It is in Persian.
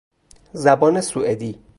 زبان سوئدی